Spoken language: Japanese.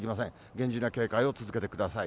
厳重な警戒を続けてください。